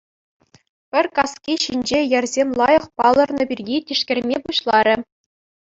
Пӗр каски ҫинчи йӗрсем лайӑх палӑрнӑ пирки тишкерме пуҫларӗ.